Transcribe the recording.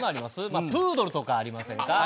プードルとかありませんか？